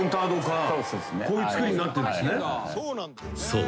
［そう。